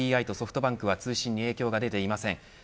ＫＤＤＩとソフトバンクは通信に影響が出ていません。